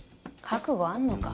覚悟あんのか？